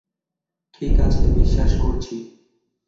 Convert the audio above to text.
ঠিক আছে, বিশ্বাস করছি।